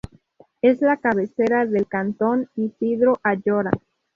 Es la cabecera del cantón Isidro Ayora.